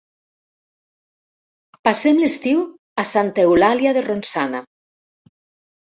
Passem l'estiu a Santa Eulàlia de Ronçana.